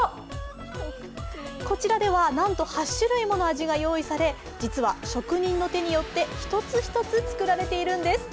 こちらでは、なんと８種類もの味が用意され、実は職人の手によって一つ一つ作られているんです。